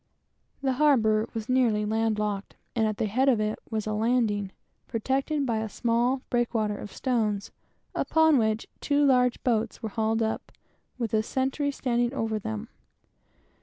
The harbor was nearly land locked, and at the head of it was a landing place, protected by a small breakwater of stones, upon which two large boats were hauled up, with a sentry standing over them.